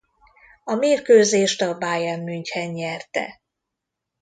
A mérkőzést a Bayern München nyerte.